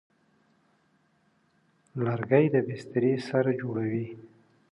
لرګی د بسترې سر جوړوي.